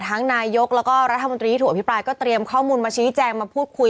ทั้งนายกแล้วก็รัฐมนตรีหิตัวพี่ปลายก็เตรียมข้อมูลมาชี้แจงมาพูดคุย